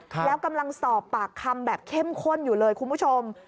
แล้วกำลังสอบปากคำแบบเข้มข้นอยู่เลยคุณผู้ชม